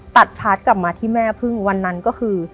พาร์ทกลับมาที่แม่พึ่งวันนั้นก็คือ